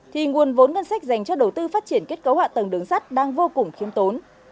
thì nguồn vốn ngân sách dành cho đầu tư phát triển kết cấu hạ tầng đường sắt đang vô cùng khiêm tốn